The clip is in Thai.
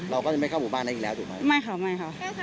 เราก็จะไม่เข้าหมู่บ้านนั้นอีกแล้วถูกไหม